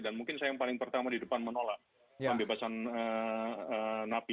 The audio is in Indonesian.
dan mungkin saya yang paling pertama di depan menolak pembebasan napi